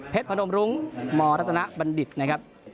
เพชรพนมรุงมรตนบัณฑิตนะครับ